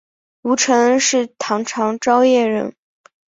乌承恩是唐朝张掖人。